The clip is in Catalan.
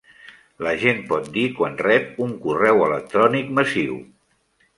La gent pot dir quan rep un correu electrònic massiu.